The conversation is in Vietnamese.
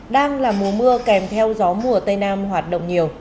đang là mùa mưa kèm theo gió mùa tây nam hoạt động nhiều